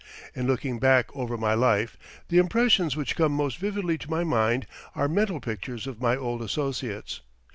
In looking back over my life, the impressions which come most vividly to my mind are mental pictures of my old associates.